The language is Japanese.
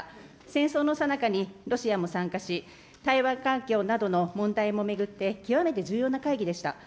戦争のさなかにロシアも参加し、台湾環境などの問題も巡って、極めて重要な会議でした。